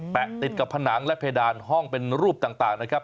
ติดกับผนังและเพดานห้องเป็นรูปต่างนะครับ